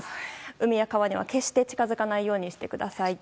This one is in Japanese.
海や川には決して近づかないようにしてください。